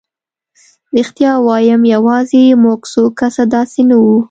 رښتیا ووایم یوازې موږ څو کسه داسې نه وو.